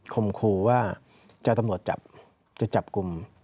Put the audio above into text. คมครูว่าเจ้าตำรวจจับจะจับกลุ่ม